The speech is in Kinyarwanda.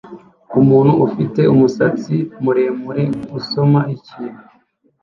Umuntu ufite umusatsi muremure usoma ikintu